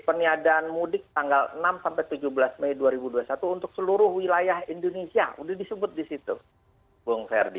peniadaan mudik tanggal enam sampai tujuh belas mei dua ribu dua puluh satu untuk seluruh wilayah indonesia udah disebut di situ bung ferdi